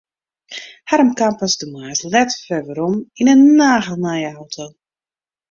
Harm kaam pas de moarns let wer werom yn in nagelnije auto.